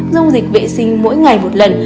dung dịch vệ sinh mỗi ngày một lần